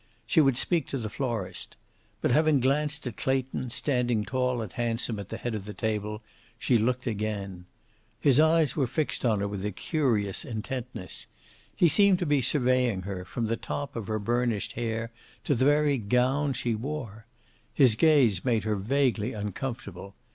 She would speak to the florist. But, having glanced at Clayton, standing tall and handsome at the head of the table, she looked again. His eyes were fixed on her with a curious intentness. He seemed to be surveying her, from the top of her burnished hair to the very gown she wore. His gaze made her vaguely uncomfortable.